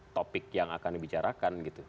topik yang akan dibicarakan gitu